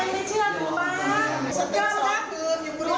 พี่หลอดูอ่ะพระเจ้าพระเถียง